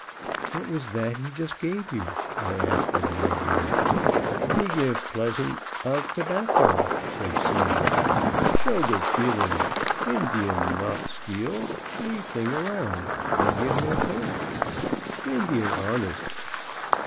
"What was that he just gave you?" I asked of the Indian. "He give pleasant of tobacco," said Sam. "Show good feeling Indian not steal leave things around Indian no take Indian honest."